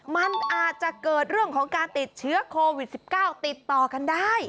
มันอาจจะเกิดเรื่องของการติดเชื้อโควิด๑๙ติดต่อกันได้